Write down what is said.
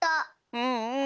うんうん。